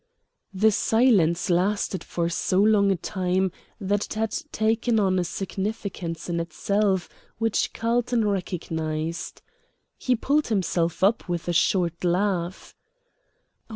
The silence lasted for so long a time that it had taken on a significance in itself which Carlton recognized. He pulled himself up with a short laugh.